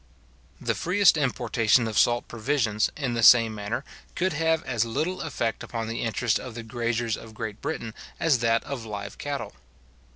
The freest importation of salt provisions, in the same manner, could have as little effect upon the interest of the graziers of Great Britain as that of live cattle.